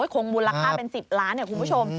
คงมูลราคาเป็น๑๐ล้านเนี่ยคุณผู้ชม